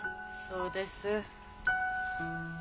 そうです。